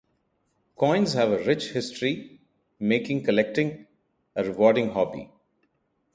Coins have a rich history, making collecting a rewarding hobby.